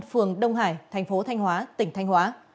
phường đông hải tp thanh hóa tỉnh thanh hóa